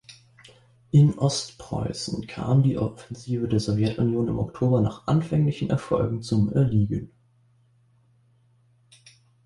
In Ostpreußen kam die Offensive der Sowjetunion im Oktober nach anfänglichen Erfolgen zum Erliegen.